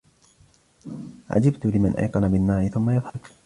عَجِبْت لِمَنْ أَيْقَنَ بِالنَّارِ ثُمَّ يَضْحَكُ